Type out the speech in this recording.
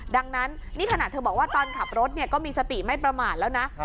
ดังนั้นนี่ขนาดเธอบอกว่าตอนขับรถก็มีสติไม่ประมาทแล้วนะ